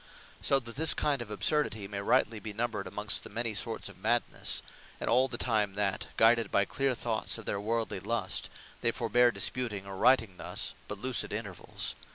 So that this kind of Absurdity, may rightly be numbred amongst the many sorts of Madnesse; and all the time that guided by clear Thoughts of their worldly lust, they forbear disputing, or writing thus, but Lucide Intervals.